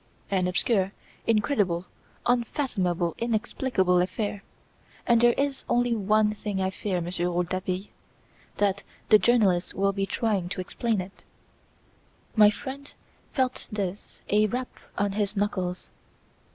"An obscure incredible, unfathomable, inexplicable affair and there is only one thing I fear, Monsieur Rouletabille, that the journalists will be trying to explain it." My friend felt this a rap on his knuckles.